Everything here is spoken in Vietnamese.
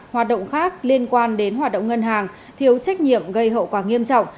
hoạt động khác liên quan đến hoạt động ngân hàng thiếu trách nhiệm gây hậu quả nghiêm trọng